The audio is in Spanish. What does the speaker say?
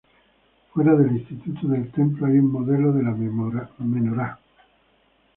Fuera del Instituto del Templo hay un modelo de la Menorá.